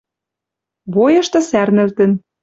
Бойышты сӓрнӹлтӹн